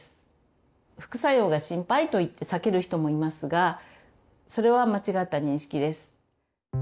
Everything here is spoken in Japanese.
副作用が心配と言って避ける人もいますがそれは間違った認識です。